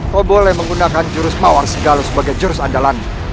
kau boleh menggunakan jurus mawar sigalo sebagai jurus andalan